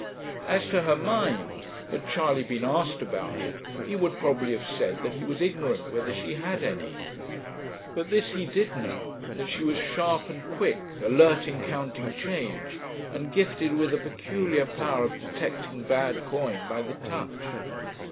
As to her mind, had Charley been asked about it, he would probably have said that he was ignorant whether she had any; but this he did know, that she was sharp and quick, alert in counting change, and gifted with a peculiar power of detecting bad coin by the touch.